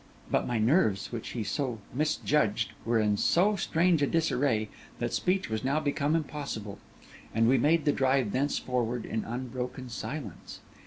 But my nerves, which he so much misjudged, were in so strange a disarray that speech was now become impossible; and we made the drive thenceforward in unbroken silence.